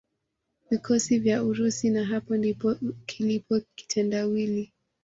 vikosi vya Urusi na hapa ndipo kilipo kitendawili